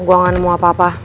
gue gak nemu apa apa